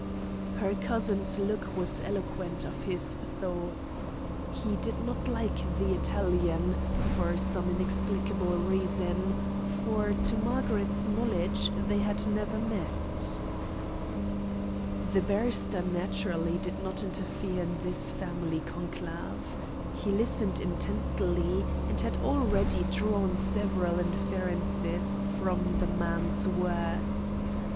Her cousin's look was eloquent of his thoughts. He did not like the Italian, for some inexplicable reason, for to Margaret's knowledge they had never met. The barrister naturally did not interfere in this family conclave. He listened intently, and had already drawn several inferences from the man's words.